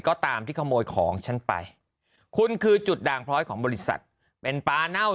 ก็ตามที่ขโมยของฉันไปคุณคือจุดด่างพล้อยของบริษัทเป็นปลาเน่า